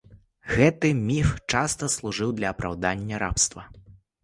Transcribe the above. Гэты міф часта служыў для апраўдання рабства.